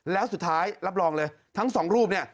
แล้วสุดท้ายรับรองเลยทั้งสองรูปเนี่ย